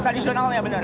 tradisional ya benar